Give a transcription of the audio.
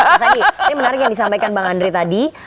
mas adi ini menarik yang disampaikan bang andre tadi